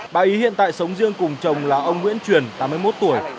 bà ý hiện tại sống riêng cùng chồng là ông nguyễn truyền tám mươi một tuổi